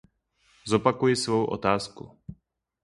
Zopakuji svou otázku.